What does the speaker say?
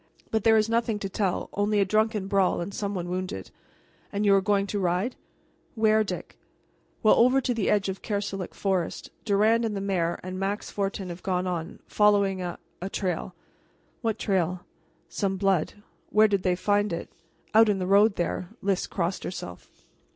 "But there is nothing to tell only a drunken brawl, and some one wounded." "And you are going to ride where, Dick?" "Well, over to the edge of Kerselec forest. Durand and the mayor, and Max Fortin, have gone on, following a a trail." "What trail?" "Some blood." "Where did they find it?" "Out in the road there." Lys crossed herself.